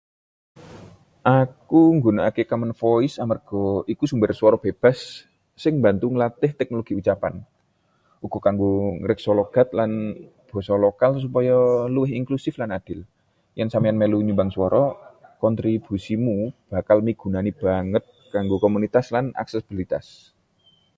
Aku nggunakake Common Voice amarga iku sumber swara bebas sing mbantu nglatih teknologi ucapan. Uga kanggo ngreksa logat lan basa lokal supaya luwih inklusif lan adil. Yen sampeyan mèlu nyumbang swara, kontribusimu bakal migunani banget kanggo komunitas lan aksesibilitas.